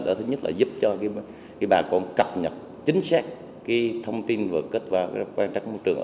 đó thứ nhất là giúp cho bà con cập nhập chính xác cái thông tin và kết quả quan trắc môi trường